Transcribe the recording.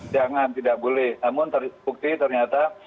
jangan tidak boleh namun terbukti ternyata